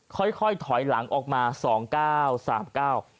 ค่อยค่อยถอยหลังออกมาสองเก้าสามเก้า